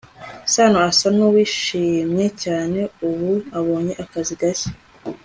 sano asa nuwishimye cyane ubu abonye akazi gashya